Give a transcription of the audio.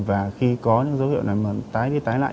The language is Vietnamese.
và khi có những dấu hiệu nào mà tái đi tái lại